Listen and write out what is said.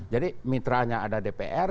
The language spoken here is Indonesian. jadi mitra nya ada dpr